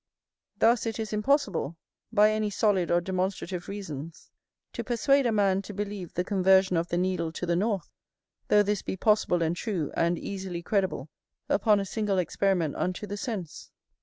Thus it is impossible, by any solid or demonstrative reasons, to persuade a man to believe the conversion of the needle to the north; though this be possible and true, and easily credible, upon a single experiment unto the sense.